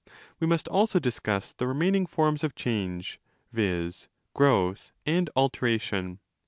We must also discuss the remaining forms of change, viz. growth and 'alteration'.